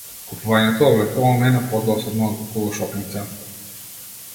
Купувањето облека онлајн е подосадно отколку во шопинг центар.